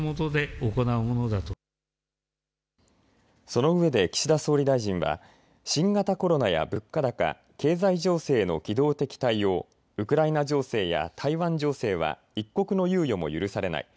そのうえで岸田総理大臣は新型コロナや物価高、経済情勢への機動的対応、ウクライナ情勢や台湾情勢は一刻の猶予も許されない。